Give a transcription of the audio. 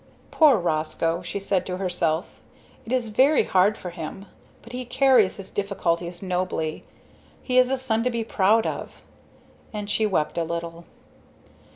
"Poor Roscoe!" she said to herself. "It is very hard for him. But he carries his difficulties nobly. He is a son to be proud of." And she wept a little.